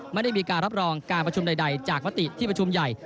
ไม่ได้มีการรับรองการประชุมใดจากมติที่ประชุมใหญ่